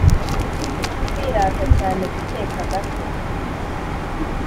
kwirata cyane, guteka gato.